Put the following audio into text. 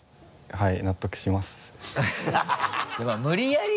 はい。